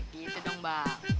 gitu dong bang